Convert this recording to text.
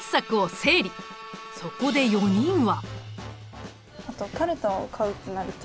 そこで４人は。